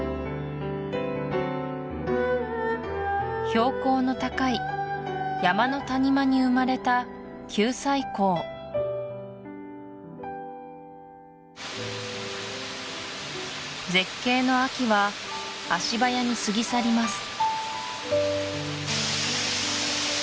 標高の高い山の谷間に生まれた九寨溝絶景の秋は足早に過ぎ去ります